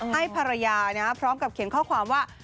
ให้ภรรยาพร้อมกับเขียนข้อความว่า